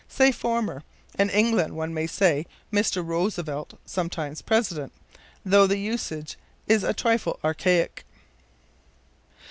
Say, former. In England one may say, Mr. Roosevelt, sometime President; though the usage is a trifle archaic.